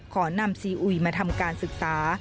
ขอนำซีอุยมาทำการศึกษา